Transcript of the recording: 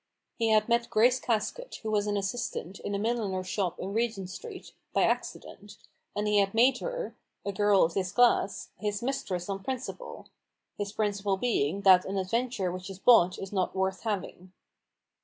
He had met Grace Casket, who was an assistant in a milliner's shop in Regent Street, by accident, and he had made her —a girl of this class — his mistress on principle; his principle being, that an adventure which is bought is not worth having.